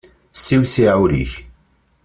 Siwsiɛ ul-ik.